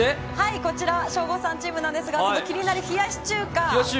省吾さんチームなんですが気になる冷やし中華。